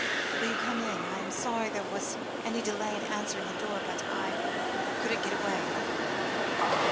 "Will you come in? I am sorry there was any delay in answering the door, but I couldn't get away."